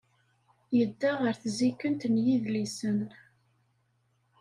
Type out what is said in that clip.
Yedda ɣer tzikkent n yidlisen.